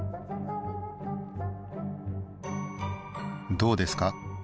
どうですか？